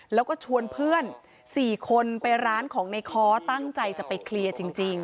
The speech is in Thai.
แล้วก็ชวนเพื่อน๔คนไปร้านของในค้อตั้งใจจะไปเคลียร์จริง